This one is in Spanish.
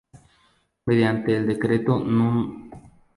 Mediante el decreto núm.